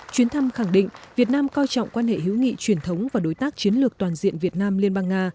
chuyến thăm khẳng định việt nam coi trọng quan hệ hữu nghị truyền thống và đối tác chiến lược toàn diện việt nam liên bang nga